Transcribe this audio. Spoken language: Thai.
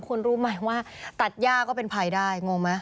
รู้ไหมว่าตัดย่าก็เป็นภัยได้งงไหม